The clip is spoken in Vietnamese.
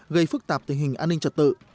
gây phức tạp tình hình an ninh trật tự